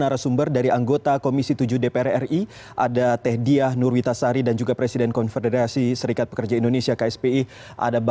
saya sudah sangat menyampaikan baik kepada menteri esdm